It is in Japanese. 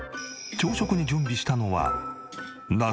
朝食に準備したのは。